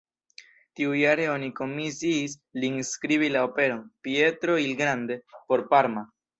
Tiujare oni komisiis lin skribi la operon "Pietro il Grande" por Parma.